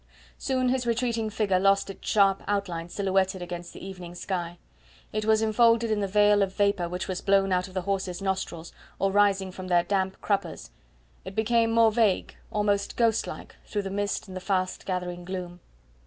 Soon his retreating figure lost its sharp outline silhouetted against the evening sky. It was enfolded in the veil of vapour which was blown out of the horses' nostrils or rising from their damp cruppers; it became more vague, almost ghost like, through the mist and the fast gathering gloom.